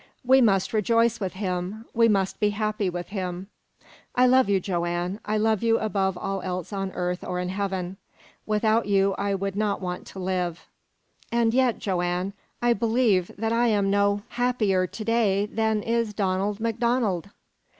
We must rejoice with him. We must be happy with him. I love you, Joanne. I love you above all else on earth or in heaven. Without you I would not want to live. And yet, Joanne, I believe that I am no happier to day than is Donald MacDonald!"